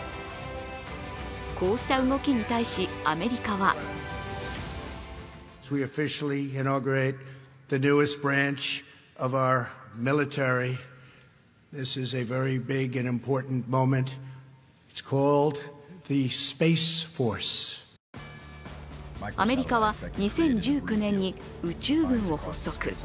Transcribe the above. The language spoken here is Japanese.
こうした動きに対しアメリカはアメリカは２０１９年に宇宙軍を発足。